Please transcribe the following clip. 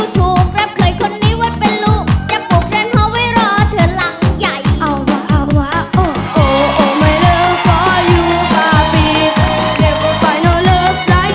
แช่ตอนที่คุณกันไว้คงไม่ได้ไปไกลตา